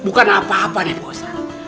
bukan apa apa nih pak ustadz